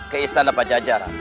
ke istana pajajara